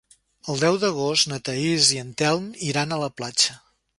El deu d'agost na Thaís i en Telm iran a la platja.